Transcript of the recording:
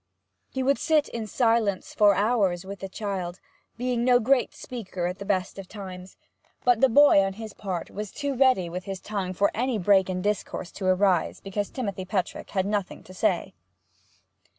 He would sit in silence for hours with the child, being no great speaker at the best of times; but the boy, on his part, was too ready with his tongue for any break in discourse to arise because Timothy Petrick had nothing to say.